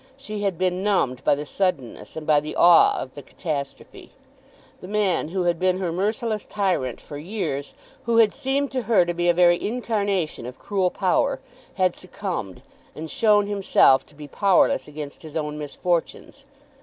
She had been numbed by the suddenness and by the awe of the catastrophe. The man who had been her merciless tyrant for years, who had seemed to her to be a very incarnation of cruel power, had succumbed, and shown himself to be powerless against his own misfortunes.